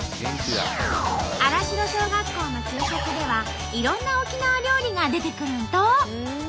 新城小学校の給食ではいろんな沖縄料理が出てくるんと。